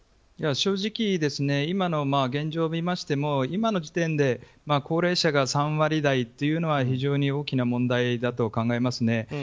正直、今の現状を見ましても今の時点で高齢者が３割台というのは非常に大きな問題だと考えますね。